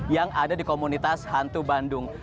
yang ada di komunitas hantu bandung